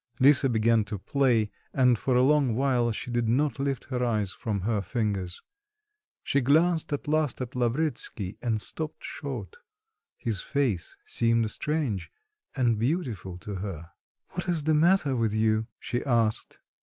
Lisa began to play, and for a long while she did not lift her eyes from her fingers. She glanced at last at Lavretsky, and stopped short; his face seemed strange and beautiful to her. "What is the matter with you?" she asked.